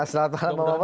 selamat malam bang mahfud